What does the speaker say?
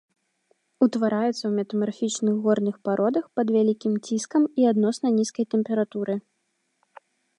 Утвараецца ў метамарфічных горных пародах пад вялікім ціскам і адносна нізкай тэмпературы.